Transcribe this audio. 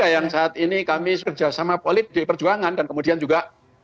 nah p tiga yang saat ini kami kerjasama polit di perjuangan dan kemudian juga